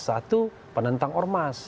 satu penentang ormas